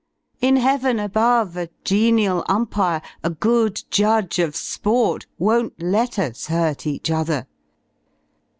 In heaven above «w A genial umpire, a good judge of sport. Won't let us hurt each other!